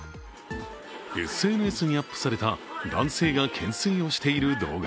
ＳＮＳにアップされた男性が懸垂をしている動画。